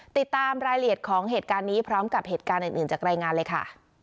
ติดตามรายละเอียดของเหตุการณ์นี้พร้อมกับเหตุการณ์อื่นจากรายงานเลยค่ะ